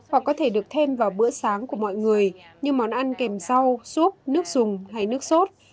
hoặc có thể được thêm vào bữa sáng của mọi người như món ăn kèm rau súp nước dùng hay nước sốt